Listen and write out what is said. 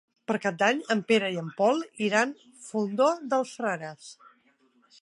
Per Cap d'Any en Pere i en Pol iran al Fondó dels Frares.